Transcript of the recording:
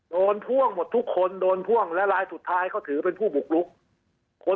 พ่วงหมดทุกคนโดนพ่วงและรายสุดท้ายเขาถือเป็นผู้บุกลุกคน